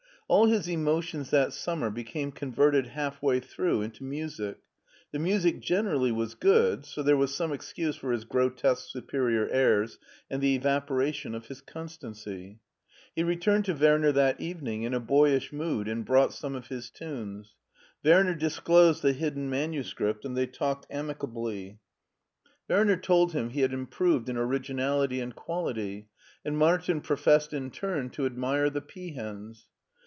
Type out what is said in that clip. All his emotions that summer became converted half way through into music ; the music generally was good, so there was some excuse for his grotesque superior airs, and the evaporation of his constancy. He returned to Werner that evening in a boyish mood and brought some of his tunes. Werner dis^ closed the hidden manuscript and they talked amicably. 58 MARTIN SCHULER Werner told him he had improved in originality and quality, and Martin professed in turn to admire the peahens.